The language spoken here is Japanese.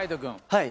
はい。